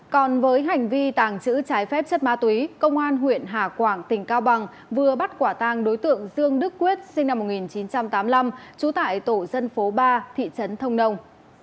còn với hành vi tàng trữ trái phép chất ma túy công an huyện hà quảng tỉnh cao bằng vừa bắt quả tang đối tượng dương đức quyết sinh năm một nghìn chín trăm tám mươi năm trú tại tổ dân phố ba thị trấn thông nông